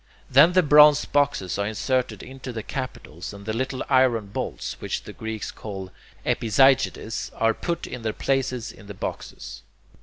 Then the bronze boxes are inserted into the capitals, and the little iron bolts, which the Greeks call [Greek: epizygides], are put in their places in the boxes.